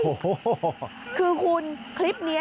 โจทย์กับกว้าย